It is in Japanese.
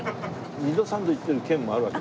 二度三度行ってる県もあるわけだ。